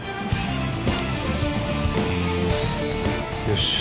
よし。